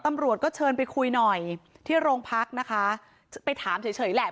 ตำรวจก็เชิญไปคุยหน่อยที่โรงพักนะคะไปถามเฉยเฉยแหละ